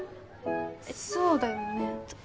そうだよね？